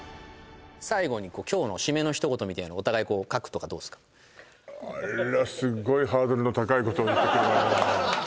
最後に今日の締めの一言みたいなのをお互い書くとかどうっすかあらすっごいハードルの高いことを言ってくるわね